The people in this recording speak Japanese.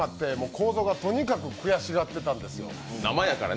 こーぞーがとにかく悔しがってたんですよ。